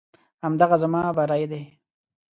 همدغه زما بری دی.